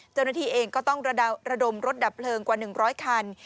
เจ้าหน้าที่เองก็ต้องระดมรถดับเพลิงกว่า๑๐๐คัน